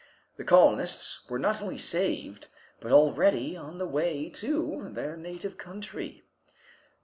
The colonists were not only saved, but already on the way to their native country.